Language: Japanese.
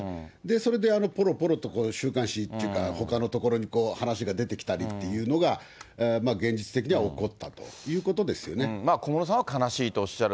それでぽろぽろと週刊誌というか、ほかのところに話が出てきたりというのが、現実的には起こったと小室さんは悲しいとおっしゃる。